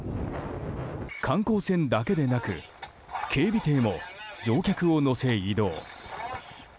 観光船だけでなく警備艇も乗客を乗せ移動。